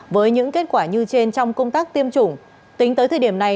với những kết quả như trên trong công tác tiêm chủng tính tới thời điểm này